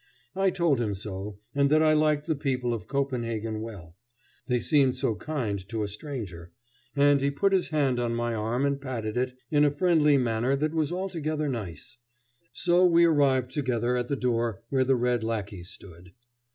I told him so, and that I liked the people of Copenhagen well; they seemed so kind to a stranger, and he put his hand on my arm and patted it in a friendly manner that was altogether nice. So we arrived together at the door where the red lackey stood.